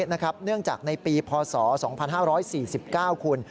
เนื่องจากในปีพศ๒๕๔๙คุณ